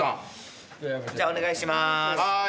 じゃあお願いします。